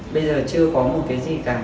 bây giờ chưa có một cái gì cả